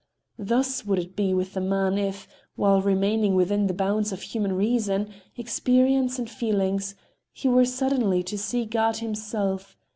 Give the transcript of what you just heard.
Thus would it be with a man if, while remaining within the bounds of human reason, experience and feelings, he were suddenly to see God Himself.